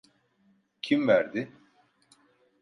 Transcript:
Kim verdi?